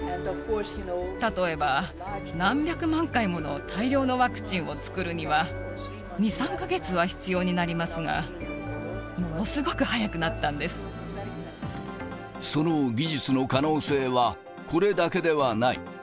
例えば何百万回もの大量のワクチンを作るには、２、３か月は必要になりますが、その技術の可能性は、これだけではない。